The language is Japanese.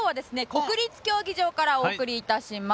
国立競技場からお送り致します。